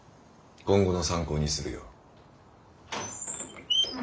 今後の参考にするよ。